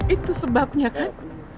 itu sebabnya kan